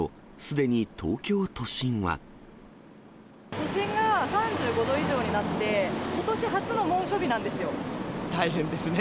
都心が３５度以上になって、大変ですね。